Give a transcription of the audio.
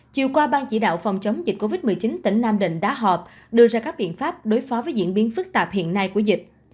chiều qua ban chỉ đạo phòng chống dịch covid một mươi chín tỉnh nam định đã họp đưa ra các biện pháp đối phó với diễn biến phức tạp hiện nay của dịch